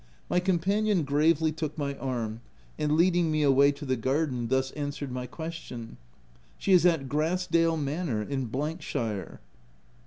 My companion gravely took my arm, and leading me away to the garden, thus answered my question :—" She is at Grass dale manor, in shire."